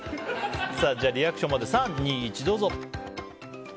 リアクションまで３、２、１、どうぞ！